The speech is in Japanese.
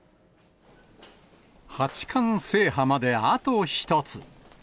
八冠制覇まであと１つ。